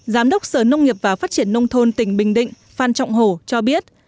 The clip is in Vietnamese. giám đốc sở nông nghiệp và phát triển nông thôn tỉnh bình định phan trọng hồ cho biết